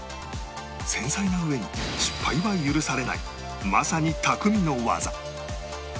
繊細な上に失敗は許されないまさに匠の技